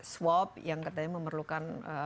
swab yang katanya memerlukan